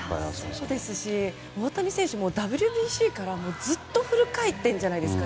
そうですし大谷選手って、ＷＢＣからずっとフル回転じゃないですか。